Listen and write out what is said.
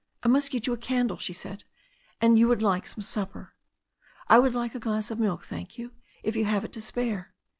"I must get you a candle," she said. "And you would like some supper." "I would like a glass of milk, thank you, if you have it to spare."